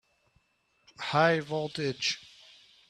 High voltage!